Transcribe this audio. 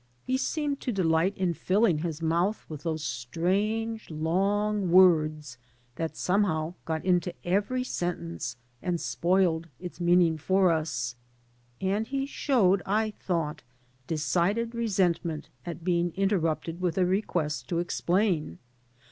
He seemed to delight in filling his mouth with those strange long words that somehow got into every sentence and spoiled its meaning for us. And he showed, I thought, decided resentment at being inter rupted with a request to explain.